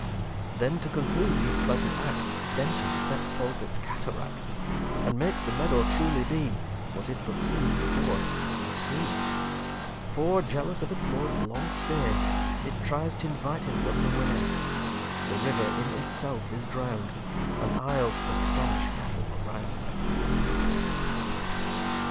lix Then, to conclude these pleasant Acts, Denton sets ope its Cataracts; And makes the Meadow truly be (What it but seem'd before) a Sea. For, jealous of its Lords long stay, It try's t'invite him thus away. The River in it self is drown'd, And Isl's th' astonish Cattle round.